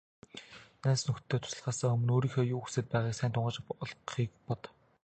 Найз нөхдөдөө туслахаасаа өмнө өөрийнхөө юу хүсээд байгааг сайн тусгаж ойлгохыг бод.